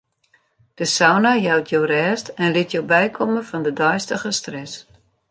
De sauna jout jo rêst en lit jo bykomme fan de deistige stress.